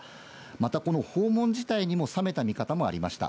またこの訪問自体にも冷めた見方もありました。